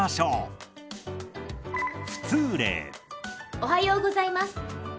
おはようございます。